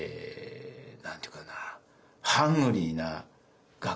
何て言うかな。